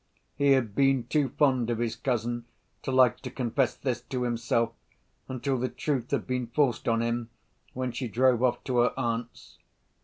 He had been too fond of his cousin to like to confess this to himself, until the truth had been forced on him, when she drove off to her aunt's.